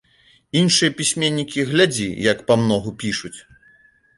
Іншыя пісьменнікі, глядзі, як памногу пішуць.